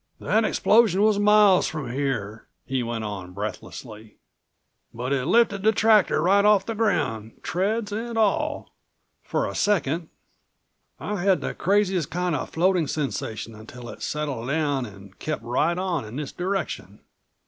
"That explosion was miles from here," he went on breathlessly, "but it lifted the tractor right off the ground, treads and all, for a second. I had the craziest kind of floating sensation until it settled down and kept right on in this direction.